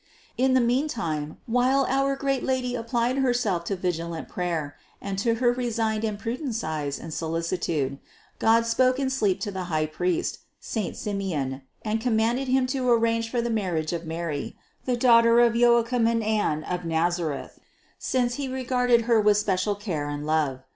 In the mean time, while our great Lady applied Herself to vigilant prayer, and to her resigned and prudent sighs and so licitude, God spoke in sleep to the high priest, saint Simeon, and commanded him to arrange for the mar riage of Mary, the daughter of Joachim and Anne of Nazareth ; since He regarded Her with special care and love.